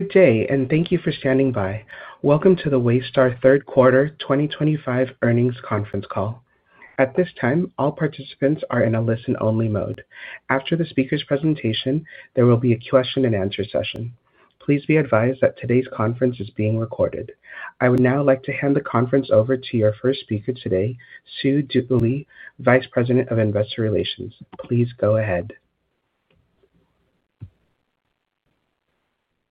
Good day, and thank you for standing by. Welcome to the Waystar Third Quarter 2025 Earnings Conference Call. At this time, all participants are in a listen-only mode. After the speaker's presentation, there will be a question-and-answer session. Please be advised that today's conference is being recorded. I would now like to hand the conference over to your first speaker today, Sue Dooley, Vice President of Investor Relations. Please go ahead.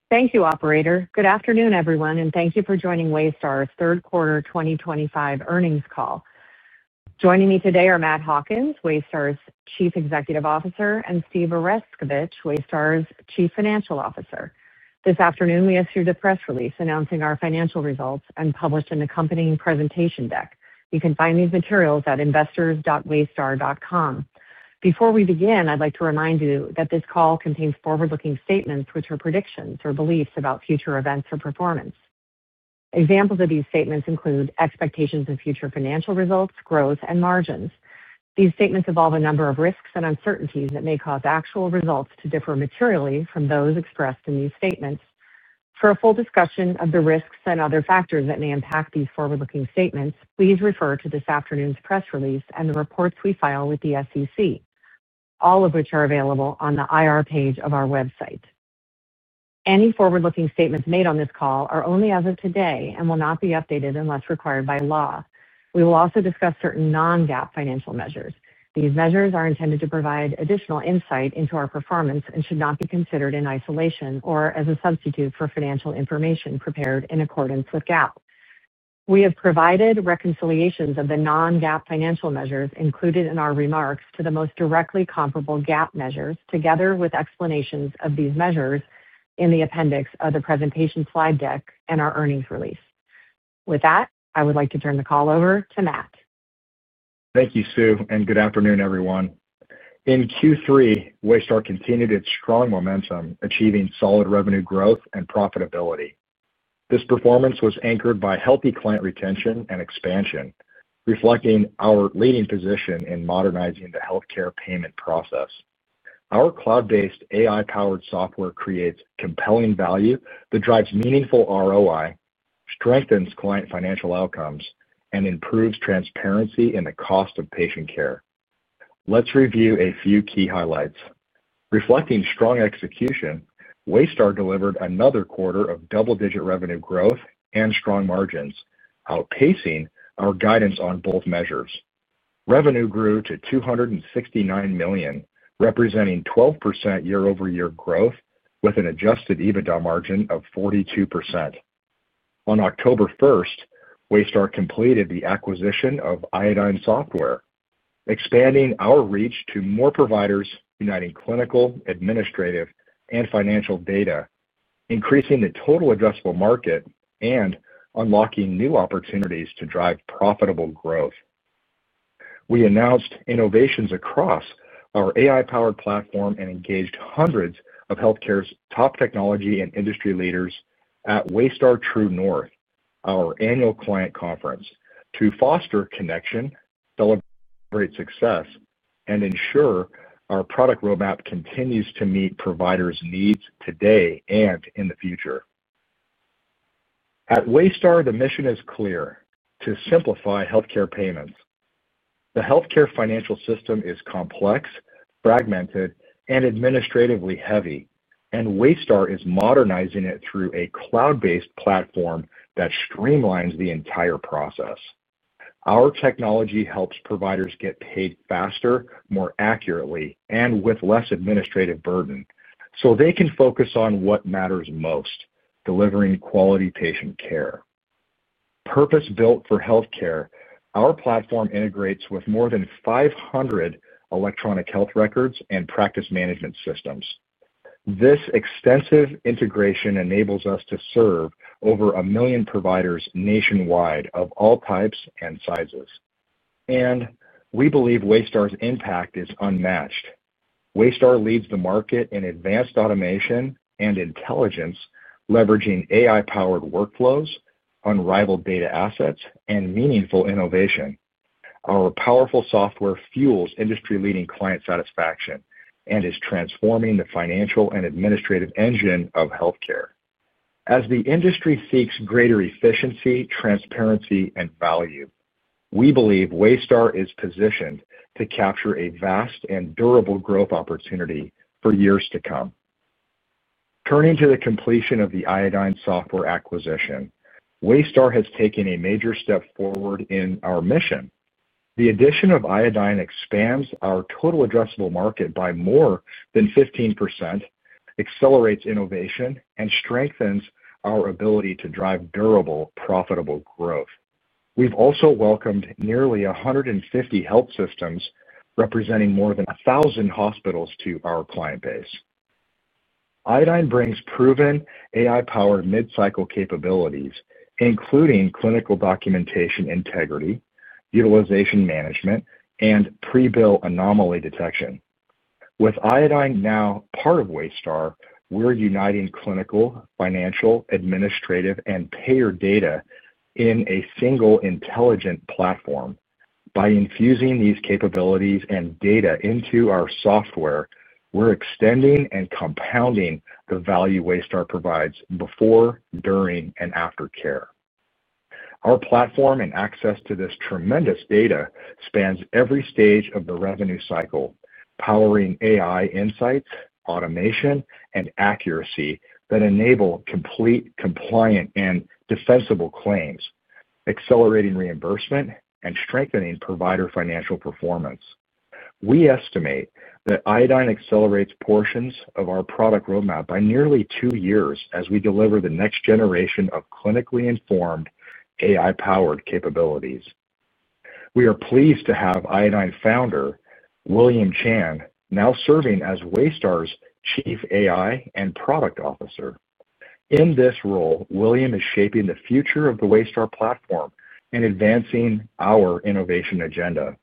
Thank you, Operator. Good afternoon, everyone, and thank you for joining Waystar's Third Quarter 2025 Earnings Call. Joining me today are Matt Hawkins, Waystar's Chief Executive Officer, and Steve Oreskovich, Waystar's Chief Financial Officer. This afternoon, we issued a press release announcing our financial results and published an accompanying presentation deck. You can find these materials at investors.waystar.com. Before we begin, I'd like to remind you that this call contains forward-looking statements, which are predictions or beliefs about future events or performance. Examples of these statements include expectations of future financial results, growth, and margins. These statements involve a number of risks and uncertainties that may cause actual results to differ materially from those expressed in these statements. For a full discussion of the risks and other factors that may impact these forward-looking statements, please refer to this afternoon's press release and the reports we file with the SEC, all of which are available on the IR page of our website. Any forward-looking statements made on this call are only as of today and will not be updated unless required by law. We will also discuss certain non-GAAP financial measures. These measures are intended to provide additional insight into our performance and should not be considered in isolation or as a substitute for financial information prepared in accordance with GAAP. We have provided reconciliations of the non-GAAP financial measures included in our remarks to the most directly comparable GAAP measures, together with explanations of these measures in the appendix of the presentation slide deck and our earnings release. With that, I would like to turn the call over to Matt. Thank you, Sue, and good afternoon, everyone. In Q3, Waystar continued its strong momentum, achieving solid revenue growth and profitability. This performance was anchored by healthy client retention and expansion, reflecting our leading position in modernizing the healthcare payment process. Our cloud-based AI-powered software creates compelling value that drives meaningful ROI, strengthens client financial outcomes, and improves transparency in the cost of patient care. Let's review a few key highlights. Reflecting strong execution, Waystar delivered another quarter of double-digit revenue growth and strong margins, outpacing our guidance on both measures. Revenue grew to $269 million, representing 12% year-over-year growth, with an adjusted EBITDA margin of 42%. On October 1, Waystar completed the acquisition of Iodine Software, expanding our reach to more providers, uniting clinical, administrative, and financial data, increasing the total addressable market, and unlocking new opportunities to drive profitable growth. We announced innovations across our AI-powered platform and engaged hundreds of healthcare's top technology and industry leaders at Waystar True North, our annual client conference, to foster connection, celebrate success, and ensure our product roadmap continues to meet providers' needs today and in the future. At Waystar, the mission is clear: to simplify healthcare payments. The healthcare financial system is complex, fragmented, and administratively heavy, and Waystar is modernizing it through a cloud-based platform that streamlines the entire process. Our technology helps providers get paid faster, more accurately, and with less administrative burden, so they can focus on what matters most: delivering quality patient care. Purpose-built for healthcare, our platform integrates with more than 500 electronic health records and practice management systems. This extensive integration enables us to serve over a million providers nationwide of all types and sizes. We believe Waystar's impact is unmatched. Waystar leads the market in advanced automation and intelligence, leveraging AI-powered workflows, unrivaled data assets, and meaningful innovation. Our powerful software fuels industry-leading client satisfaction and is transforming the financial and administrative engine of healthcare. As the industry seeks greater efficiency, transparency, and value, we believe Waystar is positioned to capture a vast and durable growth opportunity for years to come. Turning to the completion of the Iodine Software acquisition, Waystar has taken a major step forward in our mission. The addition of Iodine expands our total addressable market by more than 15%, accelerates innovation, and strengthens our ability to drive durable, profitable growth. We've also welcomed nearly 150 health systems, representing more than 1,000 hospitals to our client base. Iodine brings proven AI-powered mid-cycle capabilities, including clinical documentation integrity, utilization management, and pre-bill anomaly detection. With Iodine now part of Waystar, we're uniting clinical, financial, administrative, and payer data in a single intelligent platform. By infusing these capabilities and data into our software, we're extending and compounding the value Waystar provides before, during, and after care. Our platform and access to this tremendous data spans every stage of the revenue cycle, powering AI insights, automation, and accuracy that enable complete, compliant, and defensible claims, accelerating reimbursement, and strengthening provider financial performance. We estimate that Iodine accelerates portions of our product roadmap by nearly two years as we deliver the next generation of clinically informed AI-powered capabilities. We are pleased to have Iodine founder William Chan now serving as Waystar's Chief AI and Product Officer. In this role, William is shaping the future of the Waystar platform and advancing our innovation agenda.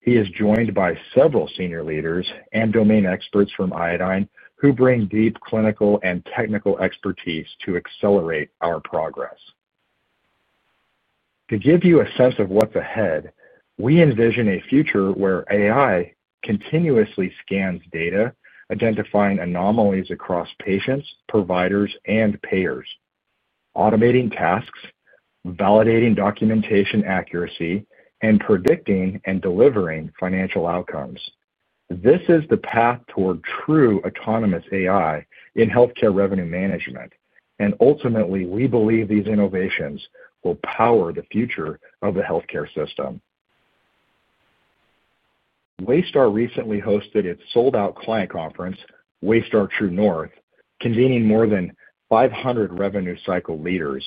He is joined by several senior leaders and domain experts from Iodine who bring deep clinical and technical expertise to accelerate our progress. To give you a sense of what's ahead, we envision a future where AI continuously scans data, identifying anomalies across patients, providers, and payers, automating tasks, validating documentation accuracy, and predicting and delivering financial outcomes. This is the path toward true autonomous AI in healthcare revenue management, and ultimately, we believe these innovations will power the future of the healthcare system. Waystar recently hosted its sold-out client conference, Waystar True North, convening more than 500 revenue cycle leaders,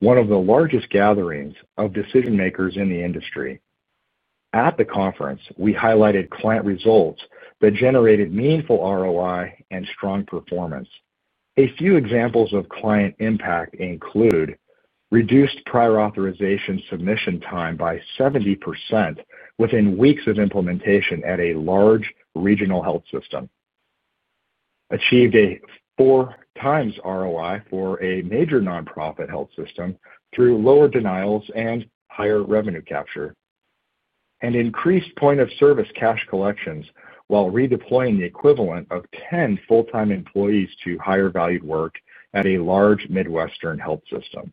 one of the largest gatherings of decision-makers in the industry. At the conference, we highlighted client results that generated meaningful ROI and strong performance. A few examples of client impact include reduced Prior Authorization submission time by 70% within weeks of implementation at a large regional health system, achieved a 4x ROI for a major nonprofit health system through lower denials and higher revenue capture, and increased point-of-service cash collections while redeploying the equivalent of 10 full-time employees to higher-valued work at a large Midwestern health system.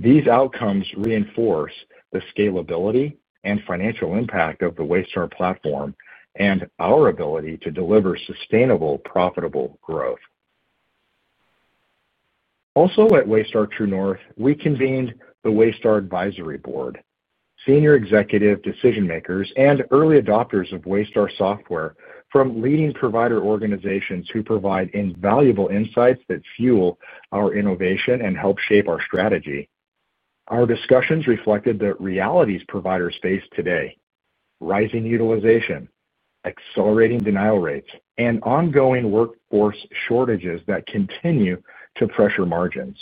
These outcomes reinforce the scalability and financial impact of the Waystar platform and our ability to deliver sustainable, profitable growth. Also, at Waystar True North, we convened the Waystar Advisory Board, senior executive decision-makers, and early adopters of Waystar software from leading provider organizations who provide invaluable insights that fuel our innovation and help shape our strategy. Our discussions reflected the realities providers face today: rising utilization, accelerating denial rates, and ongoing workforce shortages that continue to pressure margins.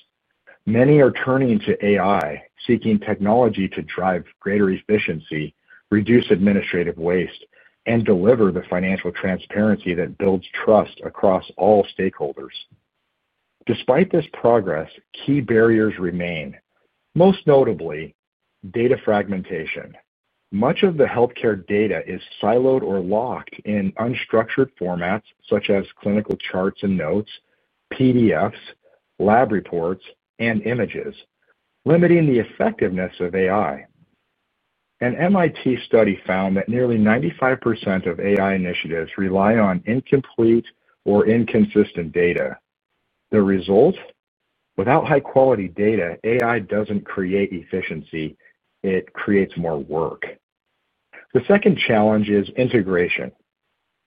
Many are turning to AI, seeking technology to drive greater efficiency, reduce administrative waste, and deliver the financial transparency that builds trust across all stakeholders. Despite this progress, key barriers remain, most notably data fragmentation. Much of the healthcare data is siloed or locked in unstructured formats such as clinical charts and notes, PDFs, lab reports, and images, limiting the effectiveness of AI. An MIT study found that nearly 95% of AI initiatives rely on incomplete or inconsistent data. The result? Without high-quality data, AI doesn't create efficiency; it creates more work. The second challenge is integration.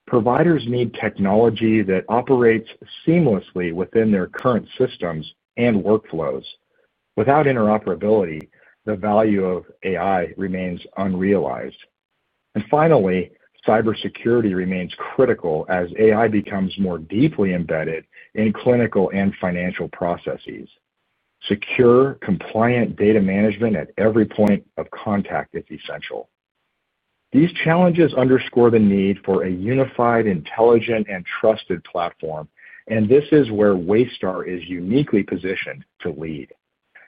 Providers need technology that operates seamlessly within their current systems and workflows. Without interoperability, the value of AI remains unrealized. Finally, cybersecurity remains critical as AI becomes more deeply embedded in clinical and financial processes. Secure, compliant data management at every point of contact is essential. These challenges underscore the need for a unified, intelligent, and trusted platform, and this is where Waystar is uniquely positioned to lead.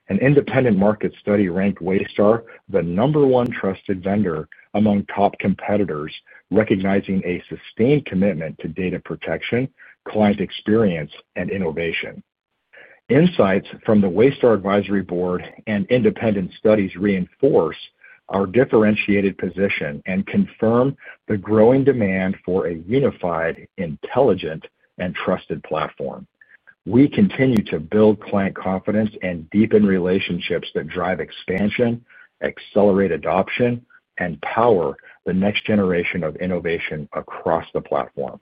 An independent market study ranked Waystar the number one trusted vendor among top competitors, recognizing a sustained commitment to data protection, client experience, and innovation. Insights from the Waystar Advisory Board and independent studies reinforce our differentiated position and confirm the growing demand for a unified, intelligent, and trusted platform. We continue to build client confidence and deepen relationships that drive expansion, accelerate adoption, and power the next generation of innovation across the platform.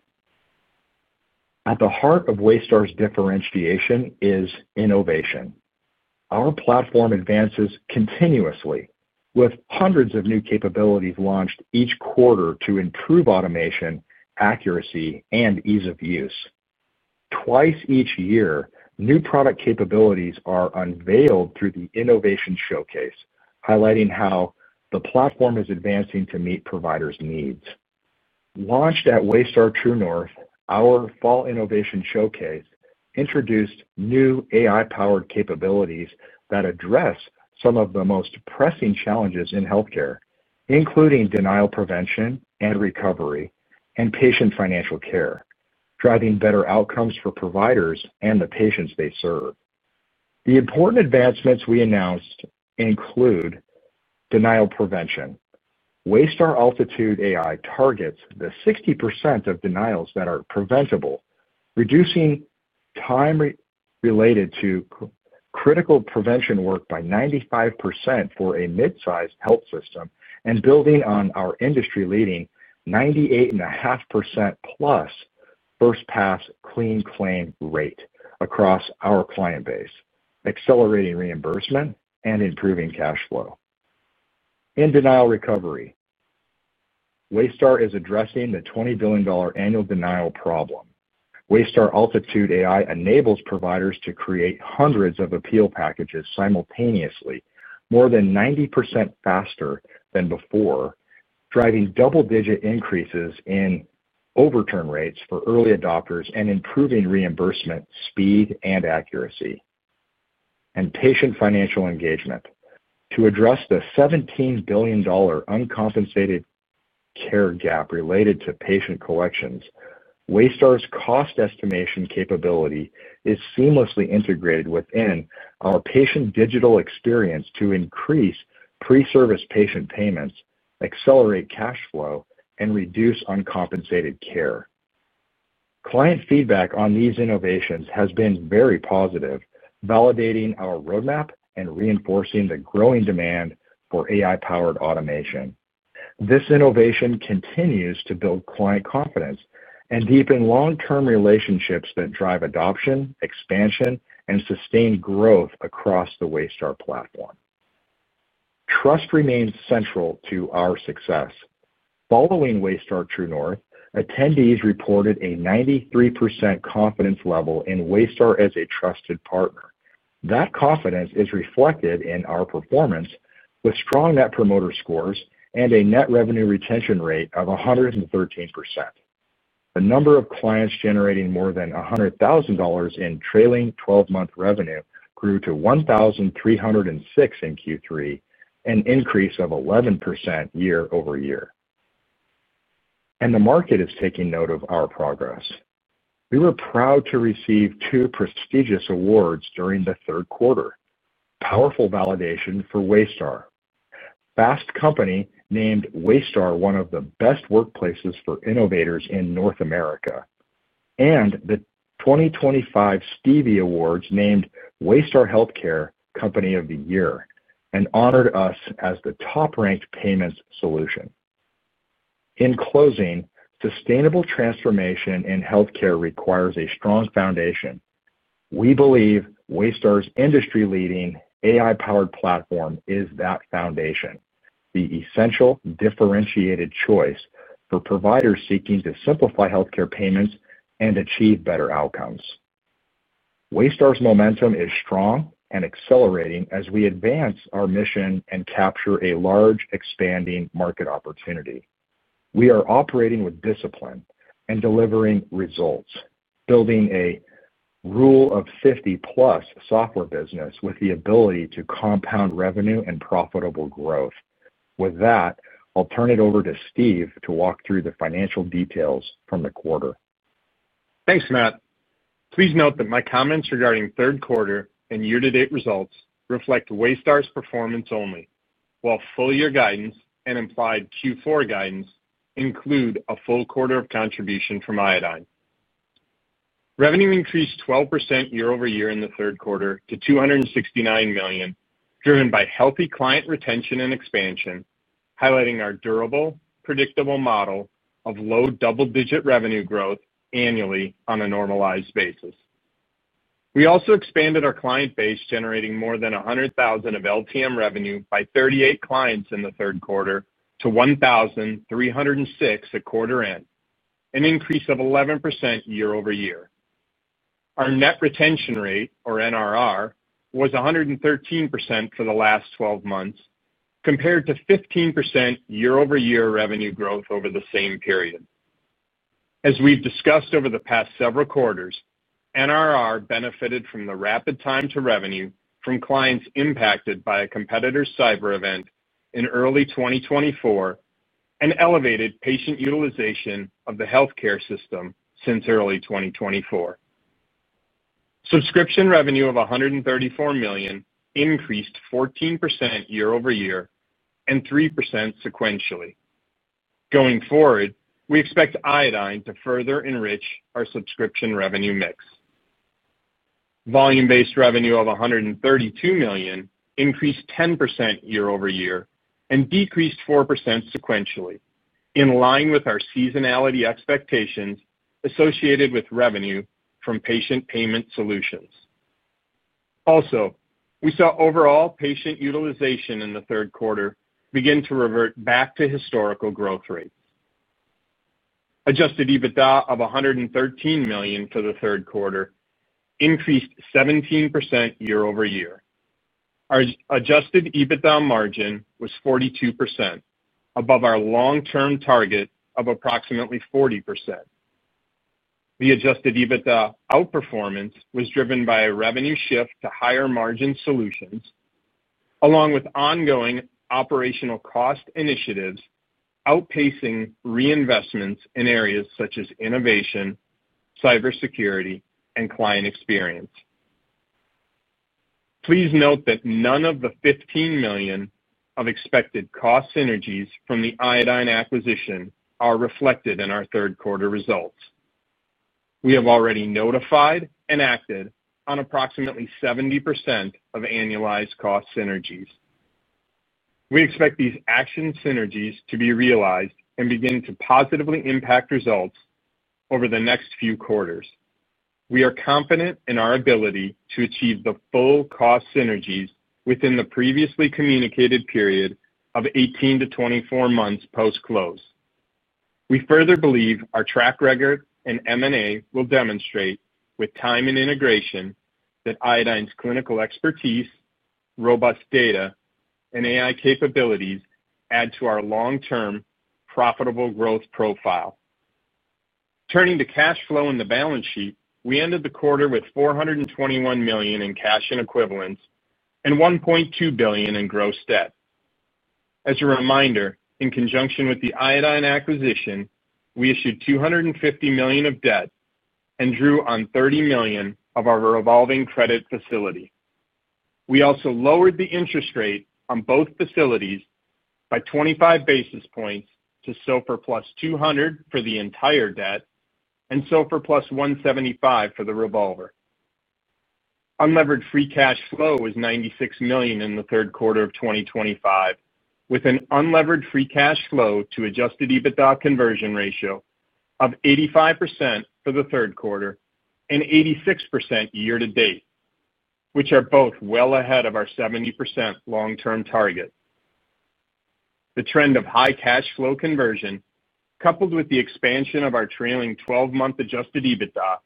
At the heart of Waystar's differentiation is innovation. Our platform advances continuously, with hundreds of new capabilities launched each quarter to improve automation, accuracy, and ease of use. Twice each year, new product capabilities are unveiled through the Innovation Showcase, highlighting how the platform is advancing to meet providers' needs. Launched at Waystar True North, our fall Innovation Showcase introduced new AI-powered capabilities that address some of the most pressing challenges in healthcare, including denial prevention and recovery and patient financial engagement, driving better outcomes for providers and the patients they serve. The important advancements we announced include denial prevention. Waystar AltitudeAI targets the 60% of denials that are preventable, reducing time related to critical prevention work by 95% for a mid-sized health system and building on our industry-leading 98.5%+ first pass clean claim rate across our client base, accelerating reimbursement and improving cash flow. In denial recovery, Waystar is addressing the $20 billion annual denial problem. Waystar AltitudeAI enables providers to create hundreds of appeal packages simultaneously, more than 90% faster than before, driving double-digit increases in overturn rates for early adopters and improving reimbursement speed and accuracy. In patient financial engagement, to address the $17 billion uncompensated care gap related to patient collections, Waystar's cost estimation capability is seamlessly integrated within our patient digital experience to increase pre-service patient payments, accelerate cash flow, and reduce uncompensated care. Client feedback on these innovations has been very positive, validating our roadmap and reinforcing the growing demand for AI-powered automation. This innovation continues to build client confidence and deepen long-term relationships that drive adoption, expansion, and sustained growth across the Waystar platform. Trust remains central to our success. Following Waystar True North, attendees reported a 93% confidence level in Waystar as a trusted partner. That confidence is reflected in our performance with strong Net Promoter Scores and a net revenue retention rate of 113%. The number of clients generating more than $100,000 in trailing 12-month revenue grew to 1,306 in Q3, an increase of 11% year-over-year. The market is taking note of our progress. We were proud to receive two prestigious awards during the third quarter: powerful validation for Waystar. Fast Company named Waystar one of the best workplaces for innovators in North America, and the 2025 Stevie Awards named Waystar Healthcare Company of the Year and honored us as the top-ranked payments solution. In closing, sustainable transformation in healthcare requires a strong foundation. We believe Waystar's industry-leading AI-powered platform is that foundation, the essential differentiated choice for providers seeking to simplify healthcare payments and achieve better outcomes. Waystar's momentum is strong and accelerating as we advance our mission and capture a large expanding market opportunity. We are operating with discipline and delivering results, building a rule of 50+ software business with the ability to compound revenue and profitable growth. With that, I'll turn it over to Steve to walk through the financial details from the quarter. Thanks, Matt. Please note that my comments regarding third quarter and year-to-date results reflect Waystar's performance only, while full-year guidance and implied Q4 guidance include a full quarter of contribution from Iodine. Revenue increased 12% year-over-year in the third quarter to $269 million, driven by healthy client retention and expansion, highlighting our durable, predictable model of low double-digit revenue growth annually on a normalized basis. We also expanded our client base, generating more than $100,000 of LTM revenue by 38 clients in the third quarter to 1,306 at quarter end, an increase of 11% year-over-year. Our net revenue retention rate, or NRR, was 113% for the last 12 months, compared to 15% year-over-year revenue growth over the same period. As we've discussed over the past several quarters, NRR benefited from the rapid time-to-revenue from clients impacted by a competitor's cyber event in early 2024 and elevated patient utilization of the healthcare system since early 2024. Subscription revenue of $134 million increased 14% year-over-year and 3% sequentially. Going forward, we expect Iodine to further enrich our subscription revenue mix. Volume-based revenue of $132 million increased 10% year-over-year and decreased 4% sequentially, in line with our seasonality expectations associated with revenue from patient payment solutions. Also, we saw overall patient utilization in the third quarter begin to revert back to historical growth rates. Adjusted EBITDA of $113 million for the third quarter increased 17% year-over-year. Our adjusted EBITDA margin was 42%, above our long-term target of approximately 40%. The adjusted EBITDA outperformance was driven by a revenue shift to higher margin solutions, along with ongoing operational cost initiatives outpacing reinvestments in areas such as innovation, cybersecurity, and client experience. Please note that none of the $15 million of expected cost synergies from the Iodine acquisition are reflected in our third-quarter results. We have already notified and acted on approximately 70% of annualized cost synergies. We expect these action synergies to be realized and begin to positively impact results over the next few quarters. We are confident in our ability to achieve the full cost synergies within the previously communicated period of 18 to 24 months post-close. We further believe our track record in M&A will demonstrate, with time and integration, that Iodine's clinical expertise, robust data, and AI-powered capabilities add to our long-term profitable growth profile. Turning to cash flow and the balance sheet, we ended the quarter with $421 million in cash and equivalents and $1.2 billion in gross debt. As a reminder, in conjunction with the Iodine acquisition, we issued $250 million of debt and drew on $30 million of our revolving credit facility. We also lowered the interest rate on both facilities by 25 basis points to SOFR+ 200 for the entire debt and SOFR+ 175 for the revolver. Unleveraged free cash flow was $96 million in the third quarter of 2025, with an unleveraged free cash flow to adjusted EBITDA conversion ratio of 85% for the third quarter and 86% year to date, which are both well ahead of our 70% long-term target. The trend of high cash flow conversion, coupled with the expansion of our trailing 12-month adjusted EBITDA,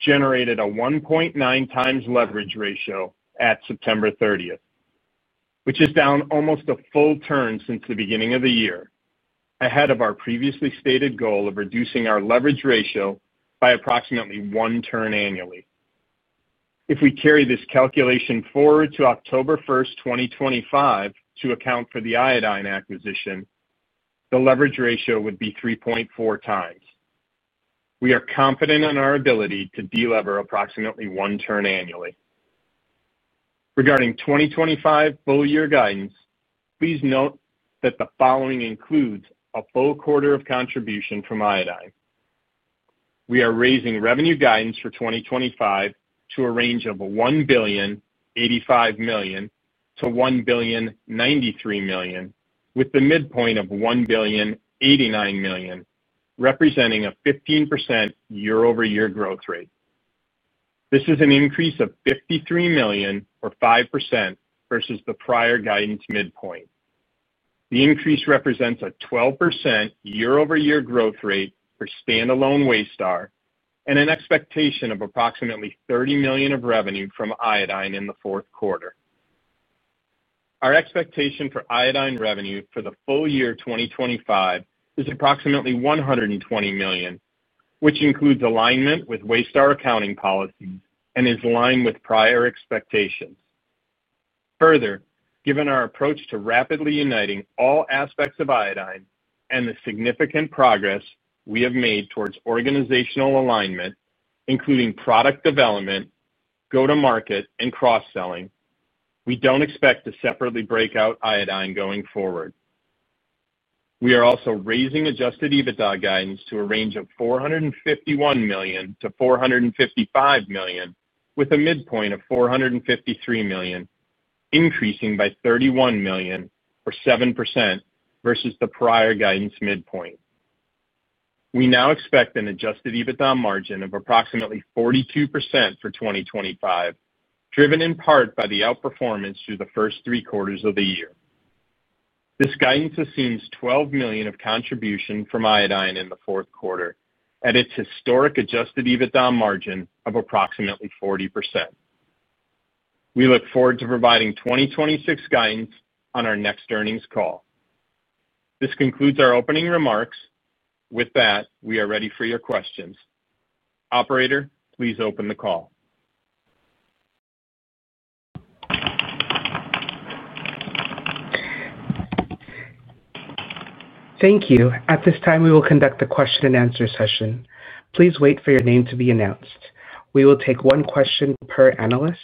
generated a 1.9x leverage ratio at September 30, which is down almost a full turn since the beginning of the year, ahead of our previously stated goal of reducing our leverage ratio by approximately one turn annually. If we carry this calculation forward to October 1, 2025, to account for the Iodine acquisition, the leverage ratio would be 3.4x. We are confident in our ability to delever approximately one turn annually. Regarding 2025 full-year guidance, please note that the following includes a full quarter of contribution from Iodine. We are raising revenue guidance for 2025 to a range of $1,085 million-$1,093 million, with the midpoint of $1,089 million, representing a 15% year-over-year growth rate. This is an increase of $53 million or 5% versus the prior guidance midpoint. The increase represents a 12% year-over-year growth rate for standalone Waystar and an expectation of approximately $30 million of revenue from Iodine in the fourth quarter. Our expectation for Iodine revenue for the full year 2025 is approximately $120 million, which includes alignment with Waystar accounting policies and is in line with prior expectations. Further, given our approach to rapidly uniting all aspects of Iodine and the significant progress we have made towards organizational alignment, including product development, go-to-market, and cross-selling, we don't expect to separately break out Iodine going forward. We are also raising adjusted EBITDA guidance to a range of $451 million-$455 million, with a midpoint of $453 million, increasing by $31 million or 7% versus the prior guidance midpoint. We now expect an adjusted EBITDA margin of approximately 42% for 2025, driven in part by the outperformance through the first three quarters of the year. This guidance assumes $12 million of contribution Iodine in the fourth quarter at its historic adjusted EBITDA margin of approximately 40%. We look forward to providing 2026 guidance on our next earnings call. This concludes our opening remarks. With that, we are ready for your questions. Operator, please open the call. Thank you. At this time, we will conduct the question-and-answer session. Please wait for your name to be announced. We will take one question per analyst.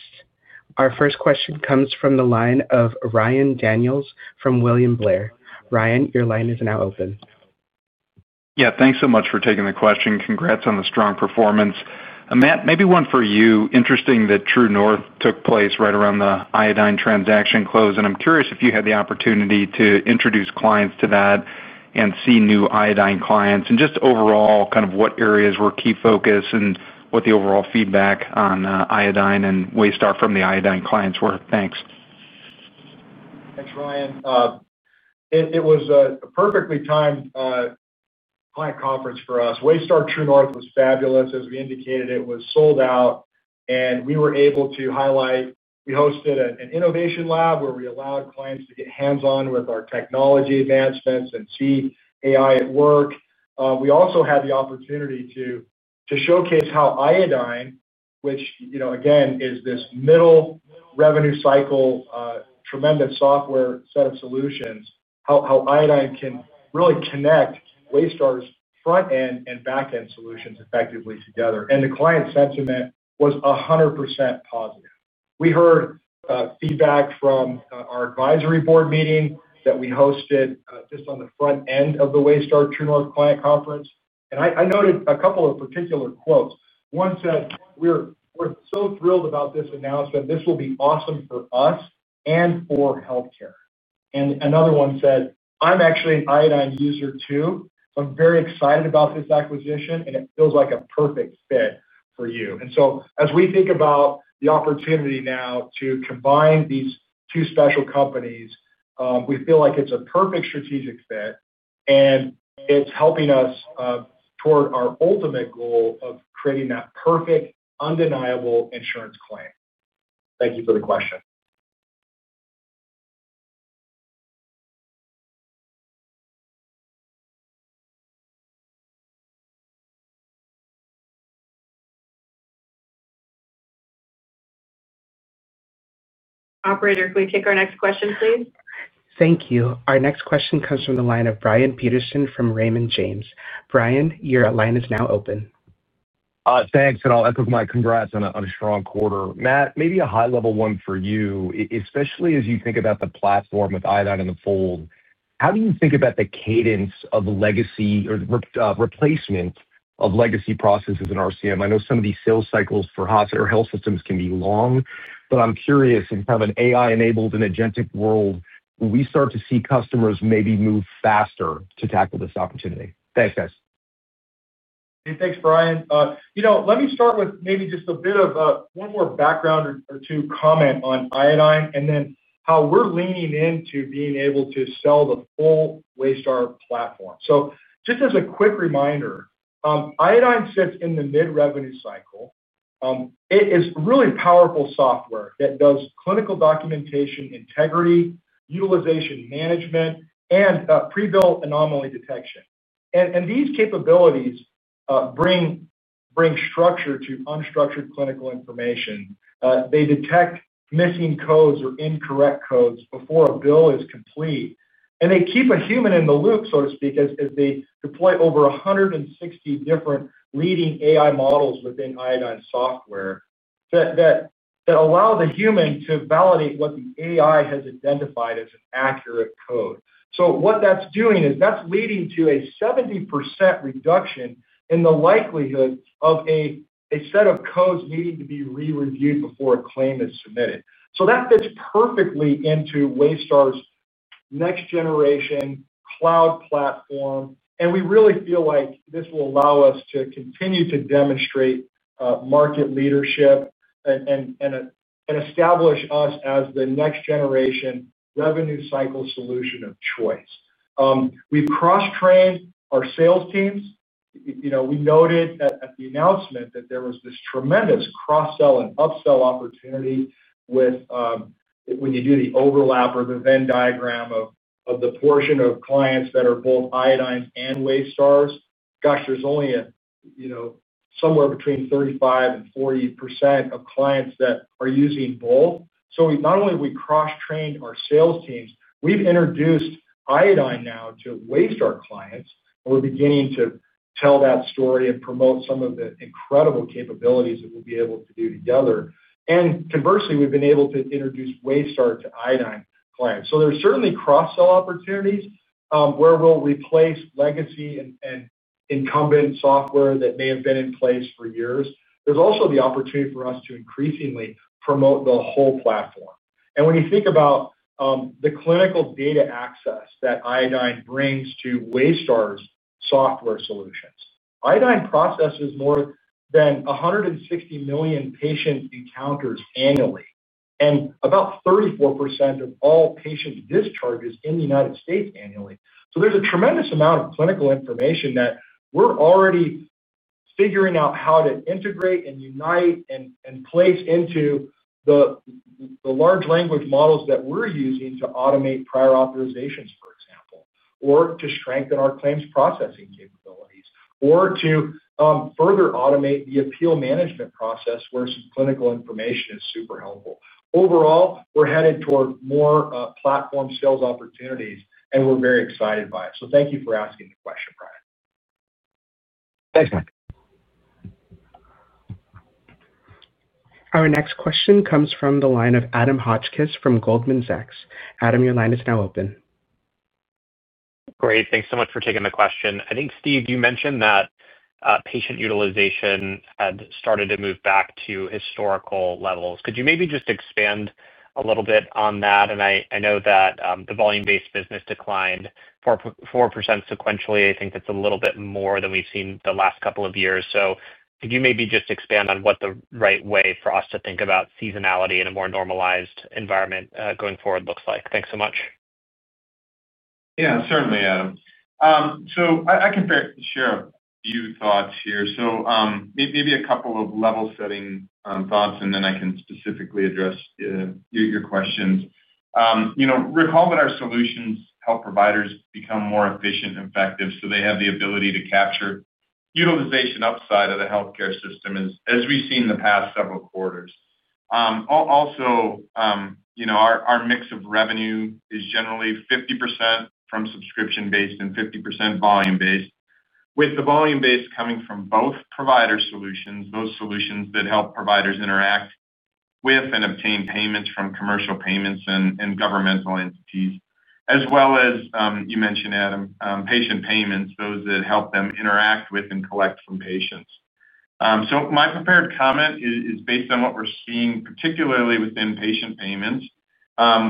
Our first question comes from the line of Ryan Daniels from William Blair. Ryan, your line is now open. Yeah, thanks so much for taking the question. Congrats on the strong performance. Matt, maybe one for you. Interesting that True North took place right around Iodine transaction close, and I'm curious if you had the opportunity to introduce clients to that and see Iodine clients and just overall kind of what areas were key focus and what the overall feedback Iodine and Waystar from Iodine clients were. Thanks. Thanks, Ryan. It was a perfectly timed client conference for us. Waystar True North was fabulous. As we indicated, it was sold out, and we were able to highlight we hosted an Innovation Lab where we allowed clients to get hands-on with our technology advancements and see AI at work. We also had the opportunity to showcase how Iodine, which, you know, again, is this middle revenue cycle, tremendous software set of solutions, how Iodine can really connect Waystar's front-end and back-end solutions effectively together. The client sentiment was 100% positive. We heard feedback from our Advisory Board meeting that we hosted just on the front end of Waystar True North Client Conference, and I noted a couple of particular quotes. One said, "We're so thrilled about this announcement. This will be awesome for us and for healthcare." Another one said, "I'm actually an Iodine user too. I'm very excited about this acquisition, and it feels like a perfect fit for you." As we think about the opportunity now to combine these two special companies, we feel like it's a perfect strategic fit, and it's helping us toward our ultimate goal of creating that perfect, undeniable insurance claim. Thank you for the question. Operator, can we take our next question, please? Thank you. Our next question comes from the line of Brian Peterson from Raymond James. Brian, your line is now open. Thanks, and I'll echo my congrats on a strong quarter. Matt, maybe a high-level one for you, especially as you think about the platform with Iodine in the fold. How do you think about the cadence of legacy or replacement of legacy processes in RCM? I know some of these sales cycles for health systems can be long, but I'm curious, in kind of an AI-enabled and agentic world, will we start to see customers maybe move faster to tackle this opportunity? Thanks, guys. Hey, thanks, Brian. Let me start with maybe just a bit of one more background or two comments on Iodine and then how we're leaning into being able to sell the full Waystar platform. Just as a quick reminder, Iodine sits in the mid-revenue cycle. It is really powerful software that does clinical documentation integrity, utilization management, and pre-bill anomaly detection. These capabilities bring structure to unstructured clinical information. They detect missing codes or incorrect codes before a bill is complete, and they keep a human in the loop, so to speak, as they deploy over 160 different leading AI models within Iodine Software that allow the human to validate what the AI has identified as an accurate code. What that's doing is that's leading to a 70% reduction in the likelihood of a set of codes needing to be re-reviewed before a claim is submitted. That fits perfectly into Waystar's next-generation cloud-based platform, and we really feel like this will allow us to continue to demonstrate market leadership and establish us as the next-generation revenue cycle solution of choice. We've cross-trained our sales teams. We noted at the announcement that there was this tremendous cross-sell and upsell opportunity when you do the overlap or the Venn diagram of the portion of clients that are both Iodine and Waystar's. There's only somewhere between 35% and 40% of clients that are using both. Not only have we cross-trained our sales teams, we've introduced Iodine now to Waystar clients, and we're beginning to tell that story and promote some of the incredible capabilities that we'll be able to do together. Conversely, we've been able to introduce Waystar to Iodine clients. There are certainly cross-sell opportunities where we'll replace legacy and incumbent software that may have been in place for years. There's also the opportunity for us to increasingly promote the whole platform. When you think about the clinical data access that Iodine brings to Waystar's software solutions, Iodine processes more than 160 million patient encounters annually, and about 34% of all patient discharges in the United States annually. There's a tremendous amount of clinical information that we're already figuring out how to integrate and unite and place into the large language models that we're using to automate Prior Authorizations, for example, or to strengthen our claims processing capabilities, or to further automate the appeal management process where some clinical information is super helpful. Overall, we're headed toward more platform sales opportunities, and we're very excited by it. Thank you for asking the question, Brian. Thanks, Mike. Our next question comes from the line of Adam Hotchkiss from Goldman Sachs. Adam, your line is now open. Great. Thanks so much for taking the question. I think, Steve, you mentioned that patient utilization had started to move back to historical levels. Could you maybe just expand a little bit on that? I know that the volume-based business declined 4% sequentially. I think that's a little bit more than we've seen the last couple of years. Could you maybe just expand on what the right way for us to think about seasonality in a more normalized environment going forward looks like? Thanks so much. Yeah, certainly. I can share a few thoughts here. Maybe a couple of level-setting thoughts, and then I can specifically address your questions. You know, recall that our solutions help providers become more efficient and effective, so they have the ability to capture utilization upside of the healthcare system, as we've seen in the past several quarters. Also, our mix of revenue is generally 50% from subscription-based and 50% volume-based, with the volume-based coming from both provider solutions, those solutions that help providers interact with and obtain payments from commercial payers and governmental entities, as well as, you mentioned, Adam, patient payments, those that help them interact with and collect from patients. My prepared comment is based on what we're seeing, particularly within patient payments,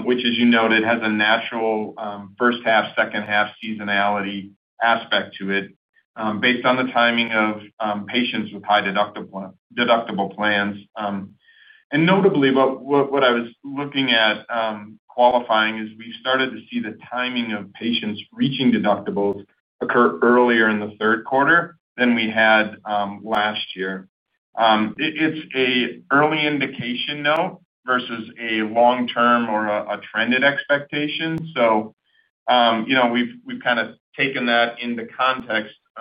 which, as you noted, has a natural first half, second half seasonality aspect to it based on the timing of patients with high deductible plans. Notably, what I was looking at qualifying is we've started to see the timing of patients reaching deductibles occur earlier in the third quarter than we had last year. It's an early indication, though, versus a long-term or a trended expectation.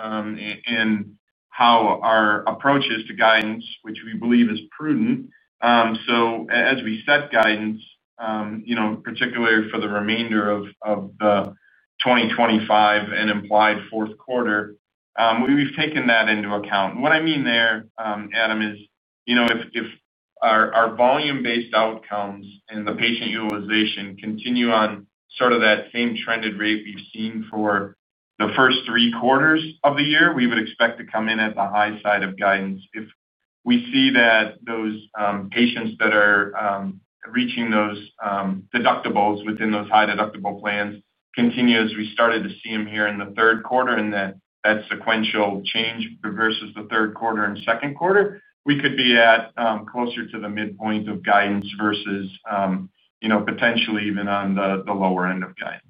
We've kind of taken that into context in how our approach is to guidance, which we believe is prudent. As we set guidance, particularly for the remainder of 2025 and implied fourth quarter, we've taken that into account. What I mean there, Adam, is, you know, if our volume-based outcomes and the patient utilization continue on sort of that same trended rate we've seen for the first three quarters of the year, we would expect to come in at the high side of guidance. If we see that those patients that are reaching those deductibles within those high deductible plans continue as we started to see them here in the third quarter and that sequential change versus the third quarter and second quarter, we could be at closer to the midpoint of guidance versus potentially even on the lower end of guidance.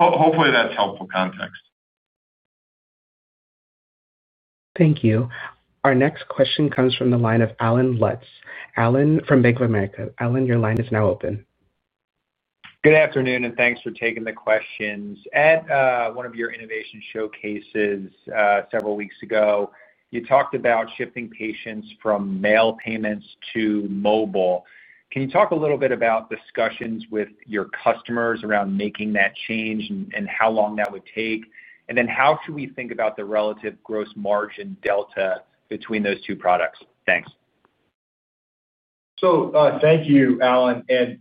Hopefully, that's helpful context. Thank you. Our next question comes from the line of Allen Lutz, Allen from Bank of America. Allen, your line is now open. Good afternoon, and thanks for taking the questions. At one of your Innovation Showcases several weeks ago, you talked about shifting patients from mail payments to mobile. Can you talk a little bit about discussions with your customers around making that change and how long that would take? How should we think about the relative gross margin delta between those two products? Thanks. Thank you, Allen, and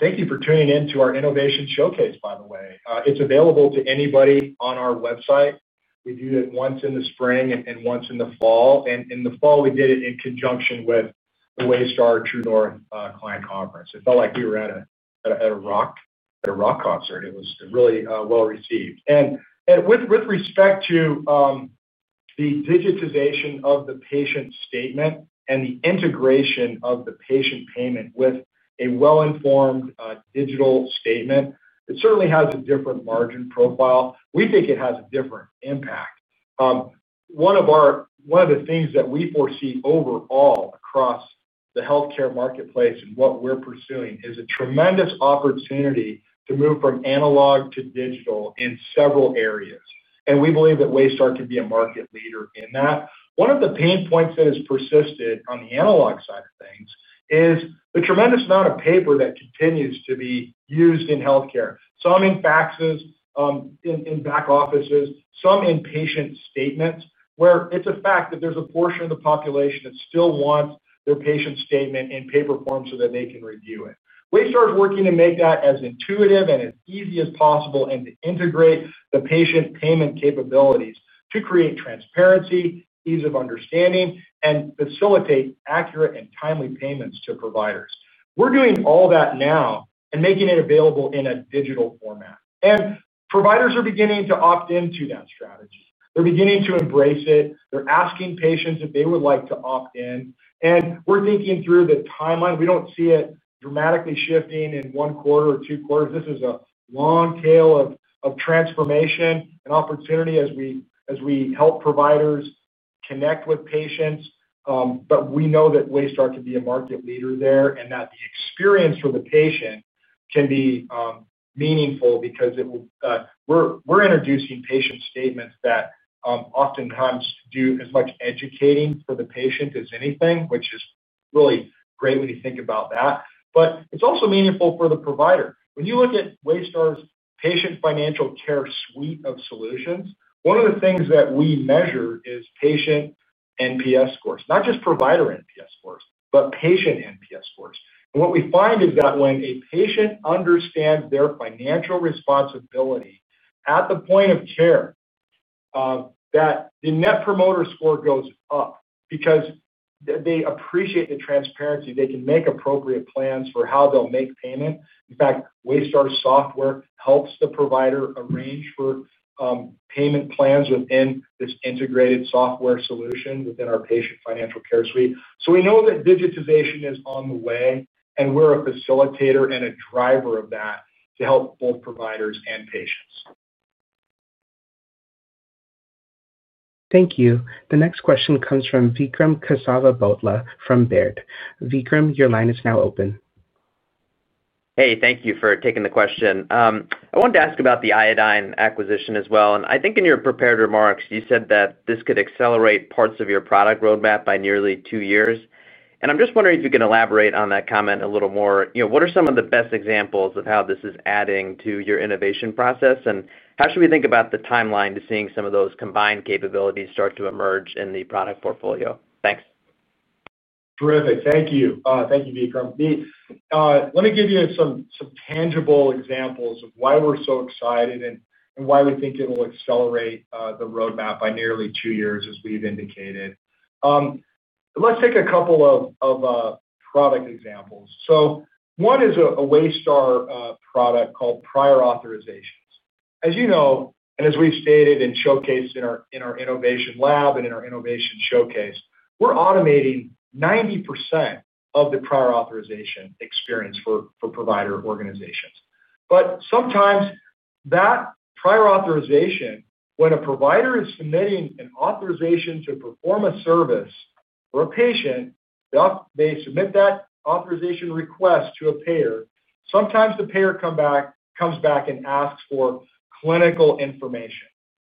thank you for tuning in to our Innovation Showcase, by the way. It is available to anybody on our website. We do it once in the spring and once in the fall. In the fall, we did it in conjunction with Waystar True North Client Conference. it felt like we were at a rock concert. It was really well received. With respect to the digitization of the patient statement and the integration of the patient payment with a well-informed digital statement, it certainly has a different margin profile. We think it has a different impact. One of the things that we foresee overall across the healthcare marketplace and what we are pursuing is a tremendous opportunity to move from analog to digital in several areas. We believe that Waystar can be a market leader in that. One of the pain points that has persisted on the analog side of things is the tremendous amount of paper that continues to be used in healthcare, some in faxes in back offices, some in patient statements, where it is a fact that there is a portion of the population that still wants their patient statement in paper form so that they can review it. Waystar is working to make that as intuitive and as easy as possible and to integrate the patient payment capabilities to create transparency, ease of understanding, and facilitate accurate and timely payments to providers. We are doing all that now and making it available in a digital format. Providers are beginning to opt into that strategy. They are beginning to embrace it. They are asking patients if they would like to opt in. We are thinking through the timeline. We do not see it dramatically shifting in one quarter or two quarters. This is a long tail of transformation and opportunity as we help providers connect with patients. We know that Waystar can be a market leader there, and that the experience for the patient can be meaningful because we are introducing patient statements that oftentimes do as much educating for the patient as anything, which is really great when you think about that. It is also meaningful for the provider. When you look at Waystar's patient financial care suite of solutions, one of the things that we measure is patient NPS scores, not just provider NPS scores, but patient NPS scores. What we find is that when a patient understands their financial responsibility at the point of care, the Net Promoter Score goes up because they appreciate the transparency. They can make appropriate plans for how they will make payment. In fact, Waystar's software helps the provider arrange for payment plans within this integrated software solution within our patient financial care suite. We know that digitization is on the way, and we are a facilitator and a driver of that to help both providers and patients. Thank you. The next question comes from Vikram Kesavabhotla from Baird. Vikram, your line is now open. Hey, thank you for taking the question. I wanted to ask about the Iodine acquisition as well. I think in your prepared remarks, you said that this could accelerate parts of your product roadmap by nearly two years. I'm just wondering if you can elaborate on that comment a little more. What are some of the best examples of how this is adding to your innovation process? How should we think about the timeline to seeing some of those combined capabilities start to emerge in the product portfolio? Thanks. Terrific. Thank you. Thank you, Vikram. Let me give you some tangible examples of why we're so excited and why we think it will accelerate the roadmap by nearly two years, as we've indicated. Let's take a couple of product examples. One is a Waystar product called Prior Authorizations. As you know, and as we've stated and showcased in our Innovation Lab and in our Innovation Showcase, we're automating 90% of the Prior Authorization experience for provider organizations. Sometimes that prior authorization, when a provider is submitting an authorization to perform a service for a patient, they submit that authorization request to a payer. Sometimes the payer comes back and asks for clinical information.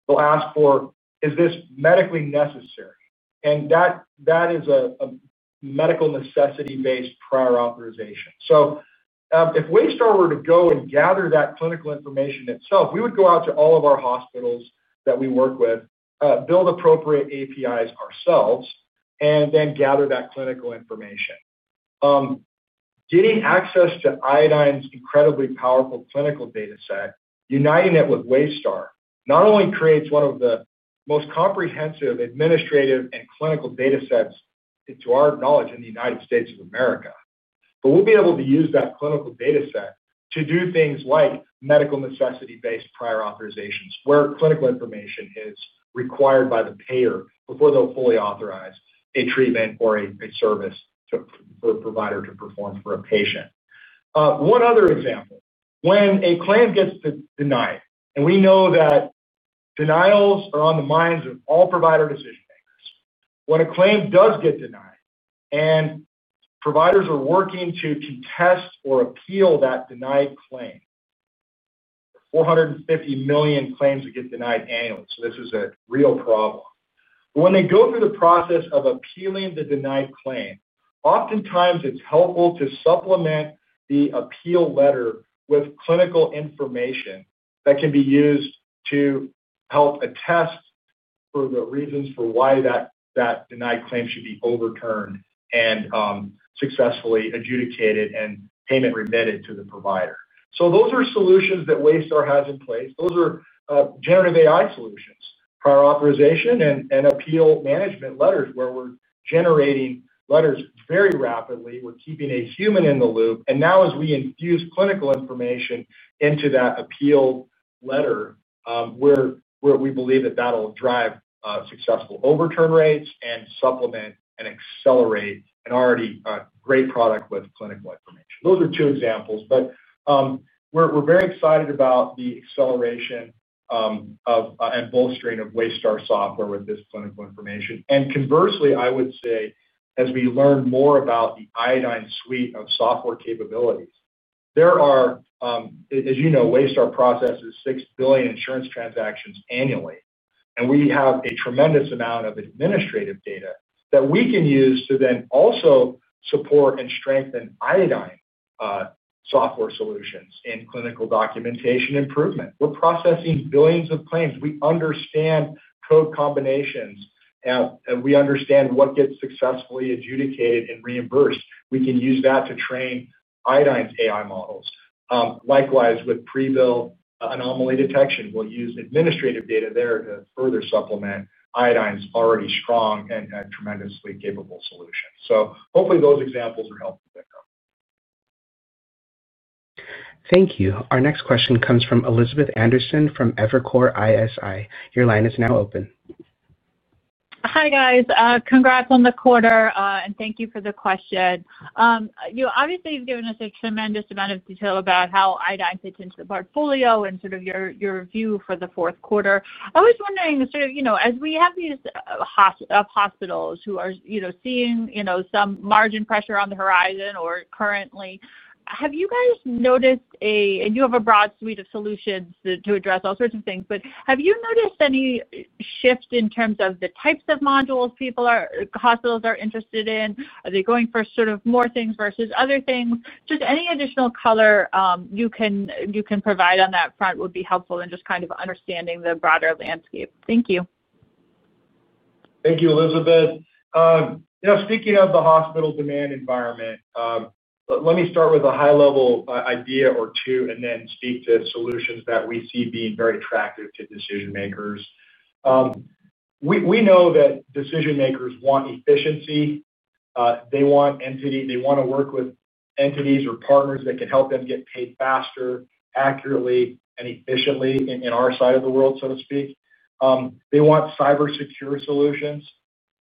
They'll ask for, "Is this medically necessary?" That is a medical necessity-based prior authorization. If Waystar were to go and gather that clinical information itself, we would go out to all of our hospitals that we work with, build appropriate APIs ourselves, and then gather that clinical information. Getting access to Iodine's incredibly powerful clinical dataset, uniting it with Waystar, not only creates one of the most comprehensive administrative and clinical datasets to our knowledge in the United States of America, but we'll be able to use that clinical dataset to do things like medical necessity-based prior authorizations, where clinical information is required by the payer before they'll fully authorize a treatment or a service for a provider to perform for a patient. Another example, when a claim gets denied, and we know that denials are on the minds of all provider decision-makers. When a claim does get denied and providers are working to contest or appeal that denied claim, there are 450 million claims that get denied annually. This is a real problem. When they go through the process of appealing the denied claim, oftentimes it's helpful to supplement the appeal letter with clinical information that can be used to help attest for the reasons for why that denied claim should be overturned and successfully adjudicated and payment remitted to the provider. Those are solutions that Waystar has in place. Those are generative AI solutions, prior authorization, and appeal management letters, where we're generating letters very rapidly. We're keeping a human in the loop. As we infuse clinical information into that appeal letter, we believe that that'll drive successful overturn rates and supplement and accelerate an already great product with clinical information. Those are two examples. We are very excited about the acceleration and bolstering of Waystar software with this clinical information. Conversely, I would say, as we learn more about Iodine suite of software capabilities, there are, as you know, Waystar processes 6 billion insurance transactions annually. We have a tremendous amount of administrative data that we can use to then also support and strengthen Iodine Software solutions in clinical documentation integrity. We're processing billions of claims. We understand code combinations, and we understand what gets successfully adjudicated and reimbursed. We can use that to train Iodine's AI models. Likewise, with pre-bill anomaly detection, we'll use administrative data there to further supplement Iodine's already strong and tremendously capable solution. Hopefully, those examples are helpful. Thank you. Our next question comes from Elizabeth Anderson from Evercore ISI. Your line is now open. Hi, guys. Congrats on the quarter, and thank you for the question. You obviously have given us a tremendous amount of detail about how Iodine fits into the portfolio and your view for the fourth quarter. I was wondering, as we have these hospitals who are seeing some margin pressure on the horizon or currently, have you guys noticed, and you have a broad suite of solutions to address all sorts of things, have you noticed any shift in terms of the types of modules hospitals are interested in? Are they going for more things versus other things? Any additional color you can provide on that front would be helpful in understanding the broader landscape. Thank you. Thank you, Elizabeth. Speaking of the hospital demand environment, let me start with a high-level idea or two and then speak to solutions that we see being very attractive to decision-makers. We know that decision-makers want efficiency. They want to work with entities or partners that can help them get paid faster, accurately, and efficiently in our side of the world, so to speak. They want cybersecure solutions.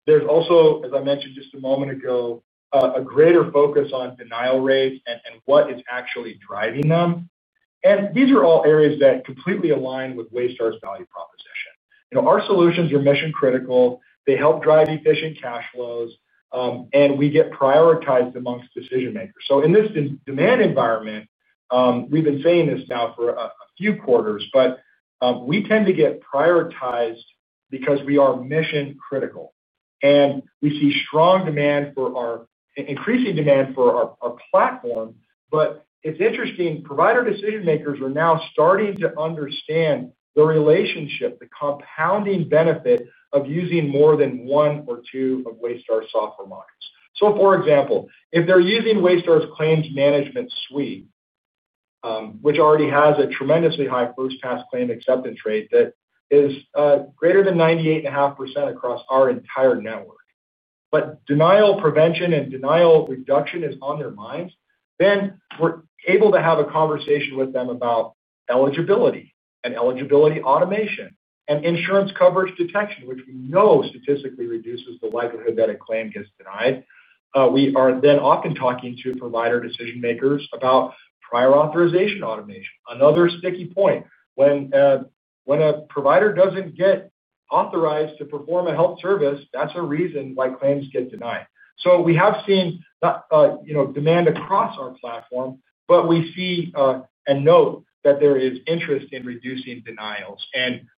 There's also, as I mentioned just a moment ago, a greater focus on denial rates and what is actually driving them. These are all areas that completely align with Waystar's value proposition. Our solutions are mission-critical. They help drive efficient cash flows, and we get prioritized amongst decision-makers. In this demand environment, we've been saying this now for a few quarters, we tend to get prioritized because we are mission-critical. We see strong demand for our platform. It's interesting, provider decision-makers are now starting to understand the relationship, the compounding benefit of using more than one or two of Waystar's software modules. For example, if they're using Waystar's claims management suite, which already has a tremendously high first pass claim acceptance rate that is greater than 98.5% across our entire network, but denial prevention and denial reduction is on their minds, then we're able to have a conversation with them about eligibility and eligibility automation and insurance coverage detection, which we know statistically reduces the likelihood that a claim gets denied. We are then often talking to provider decision-makers about prior authorization automation. Another sticky point, when a provider doesn't get authorized to perform a health service, that's a reason why claims get denied. We have seen demand across our platform, but we note that there is interest in reducing denials.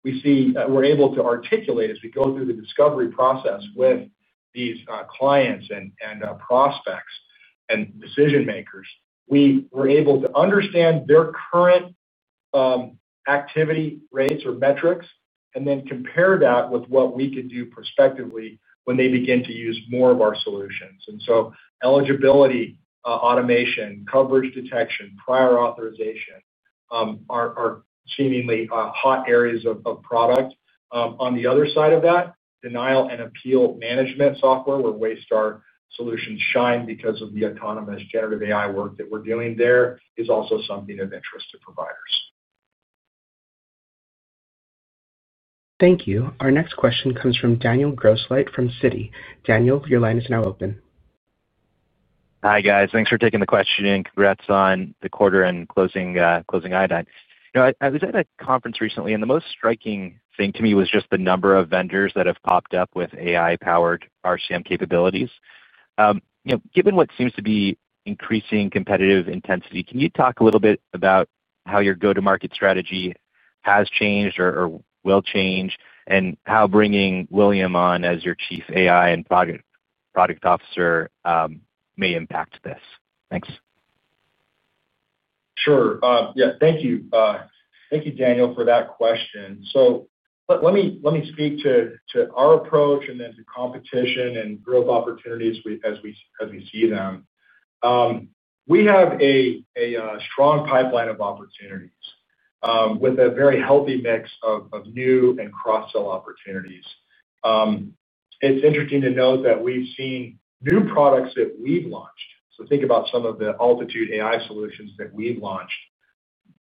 We see we're able to articulate, as we go through the discovery process with these clients and prospects and decision-makers, we were able to understand their current activity rates or metrics and then compare that with what we could do prospectively when they begin to use more of our solutions. Eligibility automation, Coverage Detection, Prior Authorization are seemingly hot areas of product. On the other side of that, denial and appeal management software, where Waystar solutions shine because of the autonomous generative AI work that we're doing there, is also something of interest to providers. Thank you. Our next question comes from Daniel Grosslight from Citi. Daniel, your line is now open. Hi, guys. Thanks for taking the question and congrats on the quarter and closing Iodine. I was at a conference recently, and the most striking thing to me was just the number of vendors that have popped up with AI-powered RCM capabilities. Given what seems to be increasing competitive intensity, can you talk a little bit about how your go-to-market strategy has changed or will change and how bringing William on as your Chief AI and Product Officer may impact this? Thanks. Sure. Thank you, Daniel, for that question. Let me speak to our approach and then to competition and growth opportunities as we see them. We have a strong pipeline of opportunities with a very healthy mix of new and cross-sell opportunities. It's interesting to note that we've seen new products that we've launched. Think about some of the AltitudeAI solutions that we've launched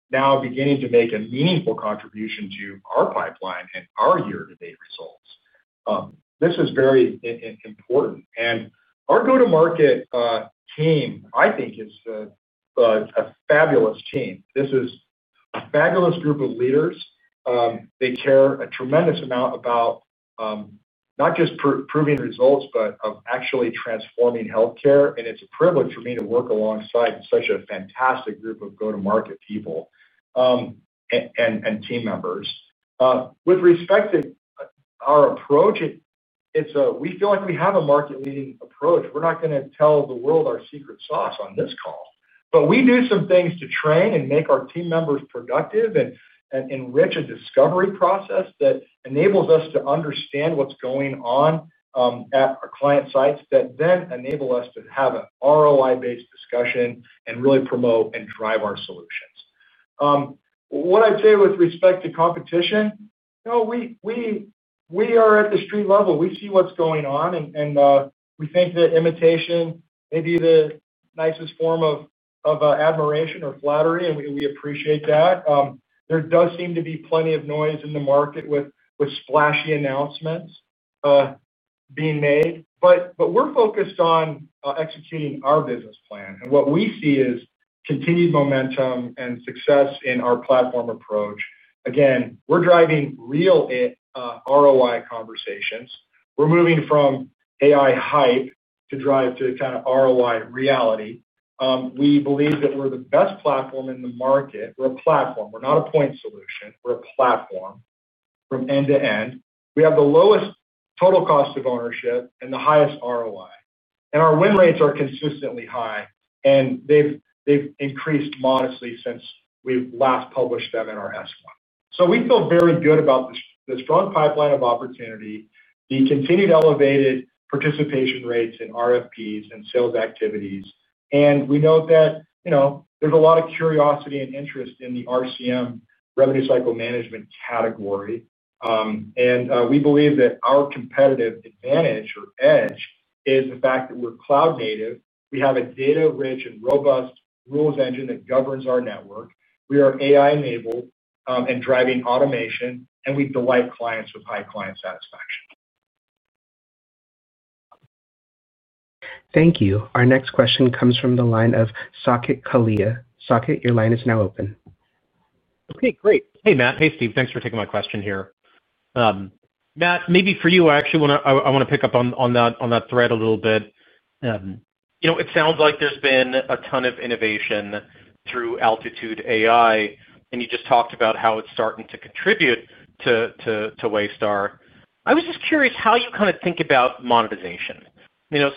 now beginning to make a meaningful contribution to our pipeline and our year-to-date results. This is very important. Our go-to-market team, I think, is a fabulous team. This is a fabulous group of leaders. They care a tremendous amount about not just proving results, but actually transforming healthcare. It's a privilege for me to work alongside such a fantastic group of go-to-market people and team members. With respect to our approach, we feel like we have a market-leading approach. We're not going to tell the world our secret sauce on this call. We do some things to train and make our team members productive and enrich a discovery process that enables us to understand what's going on at our client sites that then enable us to have an ROI-based discussion and really promote and drive our solutions. What I'd say with respect to competition, we are at the street level. We see what's going on, and we think that imitation may be the nicest form of admiration or flattery, and we appreciate that. There does seem to be plenty of noise in the market with splashy announcements being made. We're focused on executing our business plan. What we see is continued momentum and success in our platform approach. We're driving real ROI conversations. We're moving from AI hype to drive to kind of ROI reality. We believe that we're the best platform in the market. We're a platform. We're not a point solution. We're a platform from end to end. We have the lowest total cost of ownership and the highest ROI. Our win rates are consistently high, and they've increased modestly since we've last published them in our S-1. We feel very good about the strong pipeline of opportunity, the continued elevated participation rates in RFPs and sales activities. We note that there's a lot of curiosity and interest in the RCM, revenue cycle management category. We believe that our competitive advantage or edge is the fact that we're cloud native. We have a data-rich and robust rules engine that governs our network. We are AI-enabled and driving automation, and we delight clients with high client satisfaction. Thank you. Our next question comes from the line of Saket Kalia. Saket, your line is now open. Okay, great. Hey, Matt. Hey, Steve. Thanks for taking my question here. Matt, maybe for you, I actually want to pick up on that thread a little bit. It sounds like there's been a ton of innovation through AltitudeAI, and you just talked about how it's starting to contribute to Waystar. I was just curious how you kind of think about monetization.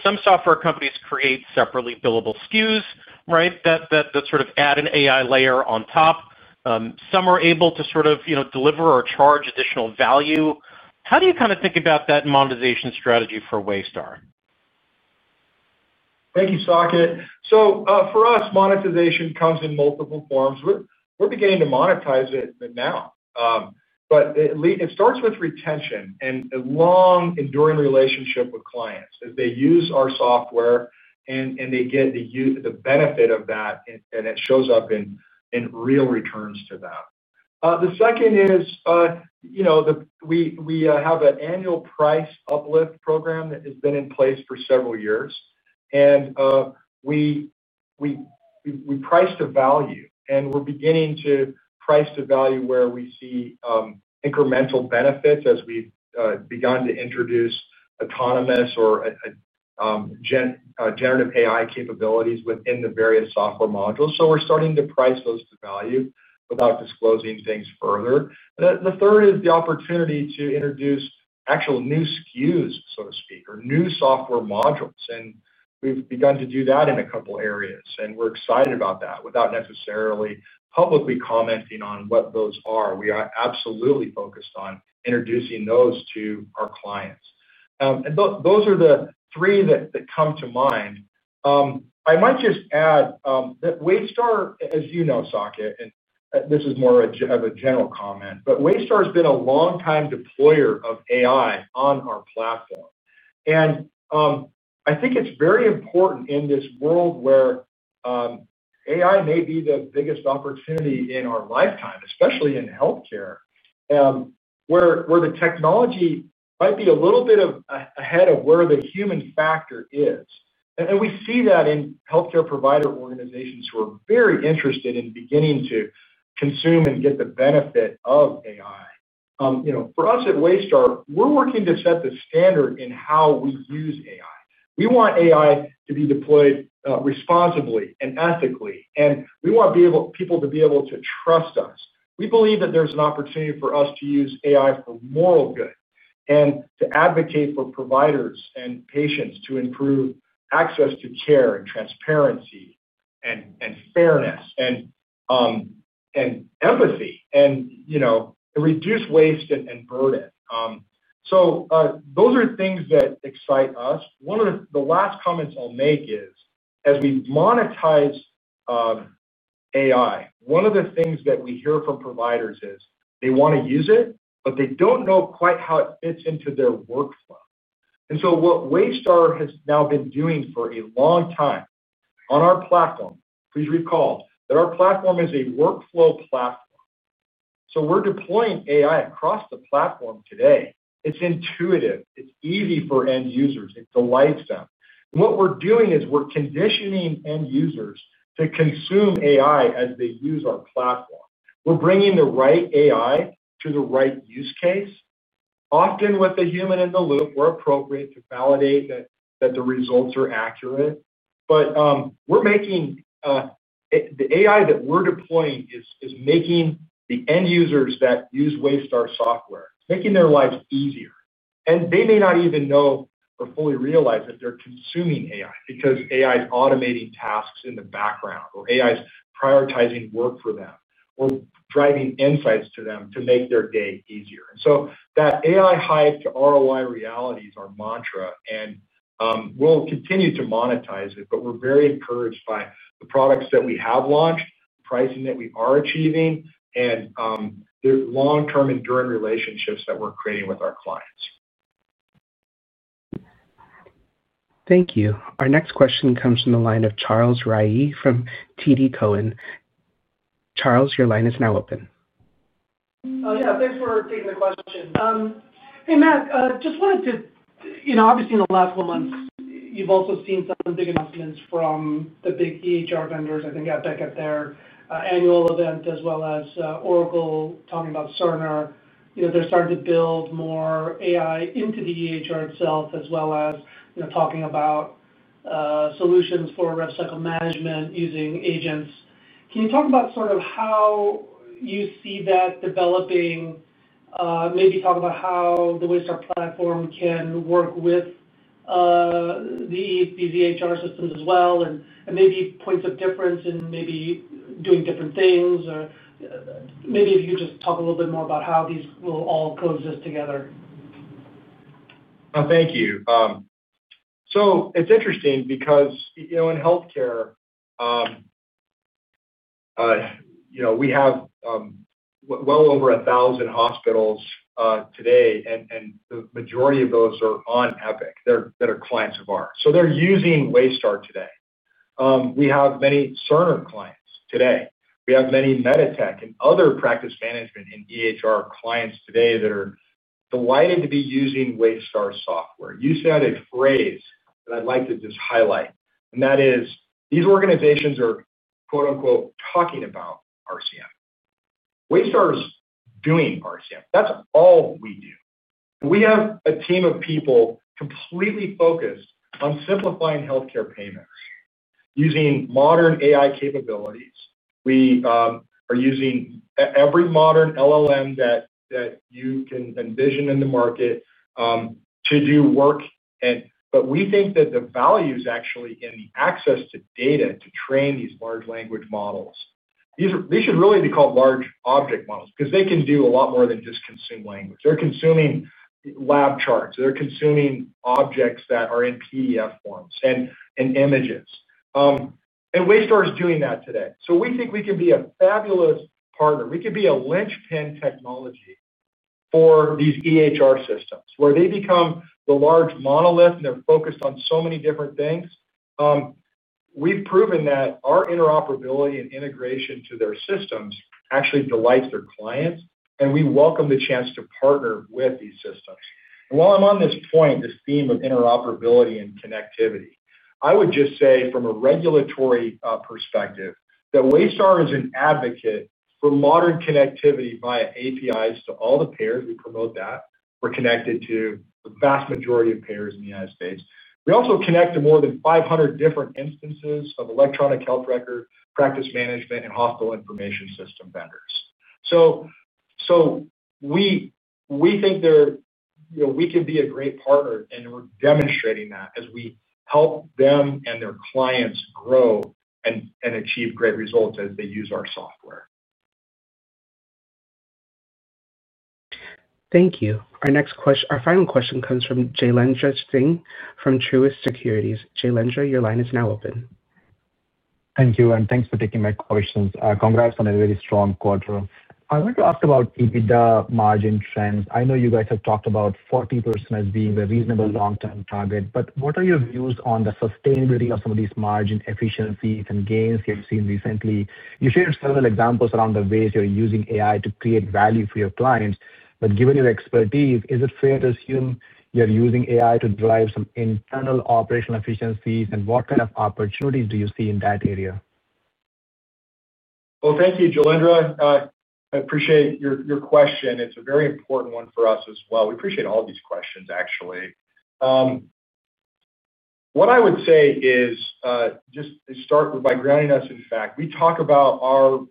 Some software companies create separately billable SKUs, right, that sort of add an AI layer on top. Some are able to deliver or charge additional value. How do you kind of think about that monetization strategy for Waystar? Thank you, Saket. For us, monetization comes in multiple forms. We're beginning to monetize it now. It starts with retention and a long, enduring relationship with clients as they use our software and they get the benefit of that, and it shows up in real returns to them. The second is, we have an annual price uplift program that has been in place for several years. We price to value, and we're beginning to price to value where we see incremental benefits as we've begun to introduce autonomous or generative AI-powered capabilities within the various software modules. We're starting to price those to value without disclosing things further. The third is the opportunity to introduce actual new SKUs, so to speak, or new software modules. We've begun to do that in a couple of areas, and we're excited about that without necessarily publicly commenting on what those are. We are absolutely focused on introducing those to our clients. Those are the three that come to mind. I might just add that Waystar, as you know, Saket, and this is more of a general comment, but Waystar has been a long-time deployer of AI on our cloud-based platform. I think it's very important in this world where AI may be the biggest opportunity in our lifetime, especially in healthcare, where the technology might be a little bit ahead of where the human factor is. We see that in healthcare provider organizations who are very interested in beginning to consume and get the benefit of AI. For us at Waystar, we're working to set the standard in how we use AI. We want AI to be deployed responsibly and ethically, and we want people to be able to trust us. We believe that there's an opportunity for us to use AI for moral good and to advocate for providers and patients to improve access to care and transparency and fairness and empathy and reduce waste and burden. Those are things that excite us. One of the last comments I'll make is, as we monetize AI, one of the things that we hear from providers is they want to use it, but they don't know quite how it fits into their workflow. What Waystar has now been doing for a long time on our platform, please recall that our platform is a workflow platform. We're deploying AI across the platform today. It's intuitive. It's easy for end users. It delights them. What we're doing is we're conditioning end users to consume AI as they use our platform. We're bringing the right AI to the right use case, often with a human in the loop where appropriate to validate that the results are accurate. We're making the AI that we're deploying is making the end users that use Waystar software, making their lives easier. They may not even know or fully realize that they're consuming AI because AI is automating tasks in the background, or AI is prioritizing work for them or driving insights to them to make their day easier. That AI hype to ROI reality is our mantra, and we'll continue to monetize it. We're very encouraged by the products that we have launched, the pricing that we are achieving, and the long-term enduring relationships that we're creating with our clients. Thank you. Our next question comes from the line of Charles Rhyee from TD Cowen. Charles, your line is now open. Oh, yeah. Thanks for taking the question. Hey, Matt. Just wanted to, you know, obviously in the last couple of months, you've also seen some big announcements from the big EHR vendors. I think Epic at their annual event, as well as Oracle talking about Cerner. You know, they're starting to build more AI into the EHR itself, as well as, you know, talking about solutions for revenue cycle management using agents. Can you talk about sort of how you see that developing? Maybe talk about how the Waystar platform can work with these EHR systems as well and maybe points of difference in maybe doing different things? Or maybe if you could just talk a little bit more about how these will all coexist together. Thank you. It's interesting because, you know, in healthcare, we have well over 1,000 hospitals today, and the majority of those are on Epic that are clients of ours. They're using Waystar today. We have many Cerner clients today. We have many Meditech and other practice management and EHR clients today that are delighted to be using Waystar software. You said a phrase that I'd like to just highlight, and that is these organizations are "talking about RCM." Waystar is doing RCM. That's all we do. We have a team of people completely focused on simplifying healthcare payments using modern AI-powered capabilities. We are using every modern LLM that you can envision in the market to do work. We think that the value is actually in the access to data to train these large language models. These should really be called large object models because they can do a lot more than just consume language. They're consuming lab charts. They're consuming objects that are in PDF forms and images. Waystar is doing that today. We think we can be a fabulous partner. We could be a linchpin technology for these EHR systems where they become the large monolith and they're focused on so many different things. We've proven that our interoperability and integration to their systems actually delights their clients, and we welcome the chance to partner with these systems. While I'm on this point, this theme of interoperability and connectivity, I would just say from a regulatory perspective that Waystar is an advocate for modern connectivity via APIs to all the payers. We promote that. We're connected to the vast majority of payers in the United States. We also connect to more than 500 different instances of electronic health record, practice management, and hospital information system vendors. We think we could be a great partner, and we're demonstrating that as we help them and their clients grow and achieve great results as they use our software. Thank you. Our next question, our final question comes from Jailendra Singh from Truist Securities. Jailendra, your line is now open. Thank you, and thanks for taking my questions. Congrats on a very strong quarter. I want to ask about EBITDA margin trends. I know you guys have talked about 40% as being the reasonable long-term target, but what are your views on the sustainability of some of these margin efficiencies and gains you've seen recently? You shared several examples around the ways you're using AI to create value for your clients. Given your expertise, is it fair to assume you're using AI to drive some internal operational efficiencies? What kind of opportunities do you see in that area? Thank you, Jailendra. I appreciate your question. It's a very important one for us as well. We appreciate all of these questions, actually. What I would say is just start by grounding us in fact. We talk about our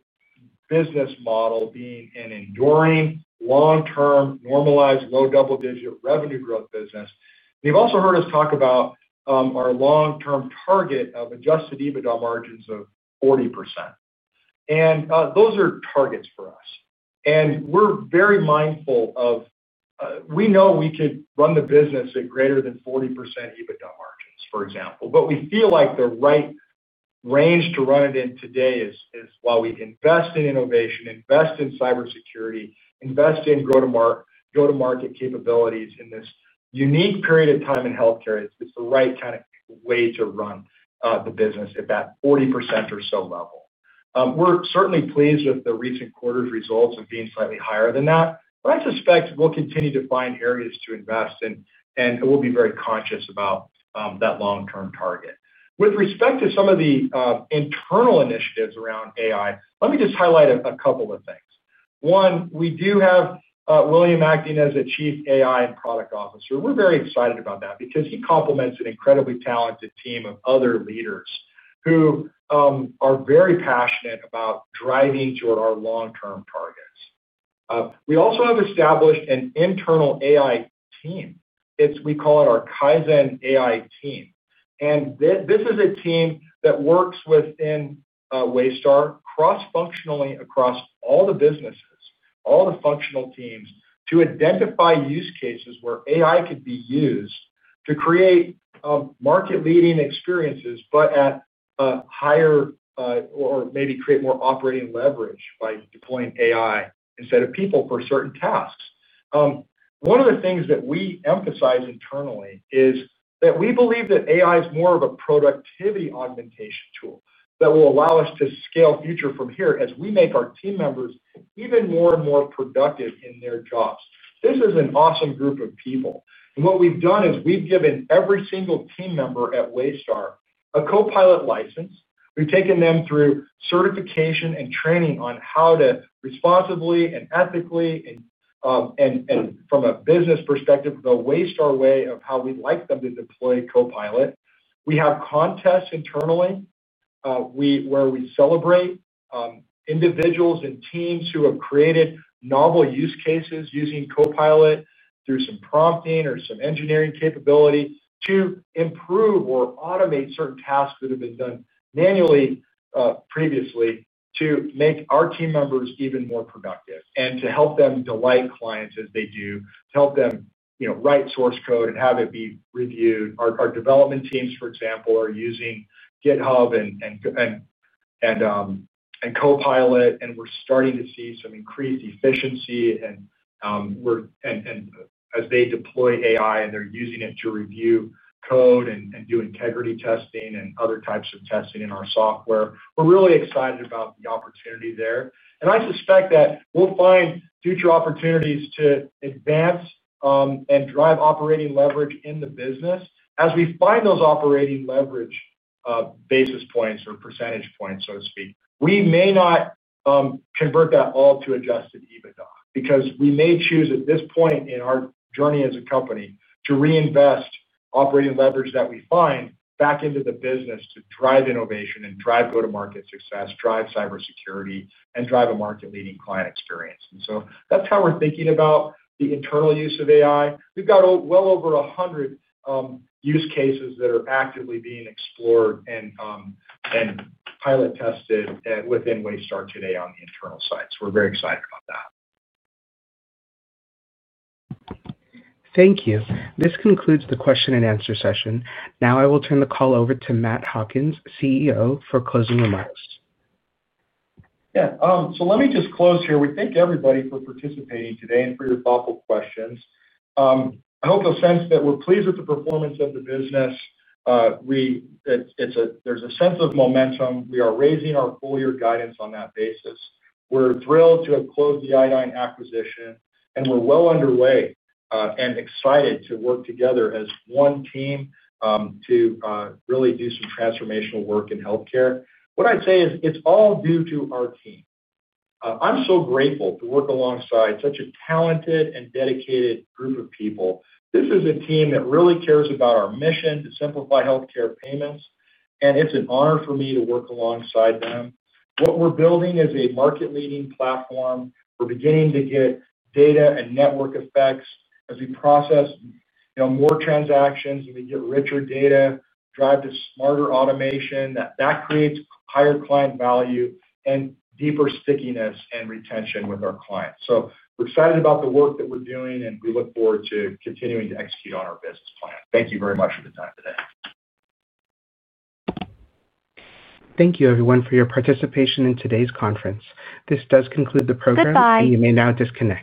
business model being an enduring, long-term, normalized, low double-digit revenue growth business. You've also heard us talk about our long-term target of adjusted EBITDA margins of 40%. Those are targets for us. We're very mindful of we know we could run the business at greater than 40% EBITDA margins, for example. We feel like the right range to run it in today is while we invest in innovation, invest in cybersecurity, invest in go-to-market capabilities in this unique period of time in healthcare, it's the right kind of way to run the business at that 40% or so level. We're certainly pleased with the recent quarter's results of being slightly higher than that. I suspect we'll continue to find areas to invest in, and we'll be very conscious about that long-term target. With respect to some of the internal initiatives around AI, let me just highlight a couple of things. One, we do have William acting as Chief AI and Product Officer. We're very excited about that because he complements an incredibly talented team of other leaders who are very passionate about driving toward our long-term targets. We also have established an internal AI team. We call it our Kaizen AI team. This is a team that works within Waystar cross-functionally across all the businesses, all the functional teams, to identify use cases where AI could be used to create market-leading experiences, or maybe create more operating leverage by deploying AI instead of people for certain tasks. One of the things that we emphasize internally is that we believe that AI is more of a productivity augmentation tool that will allow us to scale future from here as we make our team members even more and more productive in their jobs. This is an awesome group of people. What we've done is we've given every single team member at Waystar a Copilot license. We've taken them through certification and training on how to responsibly and ethically and from a business perspective go Waystar's way of how we'd like them to deploy Copilot. We have contests internally where we celebrate individuals and teams who have created novel use cases using Copilot through some prompting or some engineering capability to improve or automate certain tasks that have been done manually previously to make our team members even more productive and to help them delight clients as they do, to help them, you know, write source code and have it be reviewed. Our development teams, for example, are using GitHub and Copilot, and we're starting to see some increased efficiency. As they deploy AI and they're using it to review code and do integrity testing and other types of testing in our software, we're really excited about the opportunity there. I suspect that we'll find future opportunities to advance and drive operating leverage in the business. As we find those operating leverage basis points or percentage points, we may not convert that all to adjusted EBITDA because we may choose at this point in our journey as a company to reinvest operating leverage that we find back into the business to drive innovation and drive go-to-market success, drive cybersecurity, and drive a market-leading client experience. That's how we're thinking about the internal use of AI. We've got well over 100 use cases that are actively being explored and pilot-tested within Waystar today on the internal side. We're very excited about that. Thank you. This concludes the question and answer session. Now I will turn the call over to Matt Hawkins, CEO, for closing remarks. Yeah. Let me just close here. We thank everybody for participating today and for your thoughtful questions. I hope you'll sense that we're pleased with the performance of the business. There's a sense of momentum. We are raising our full-year guidance on that basis. We're thrilled to have closed Iodine acquisition, and we're well underway and excited to work together as one team to really do some transformational work in healthcare. What I'd say is it's all due to our team. I'm so grateful to work alongside such a talented and dedicated group of people. This is a team that really cares about our mission to simplify healthcare payments, and it's an honor for me to work alongside them. What we're building is a market-leading platform. We're beginning to get data and network effects as we process more transactions and we get richer data, drive to smarter automation that creates higher client value and deeper stickiness and retention with our clients. We're excited about the work that we're doing, and we look forward to continuing to execute on our business plan. Thank you very much for the time today. Thank you, everyone, for your participation in today's conference. This does conclude the program. Goodbye. You may now disconnect.